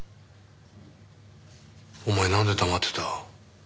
お前なんで黙ってた？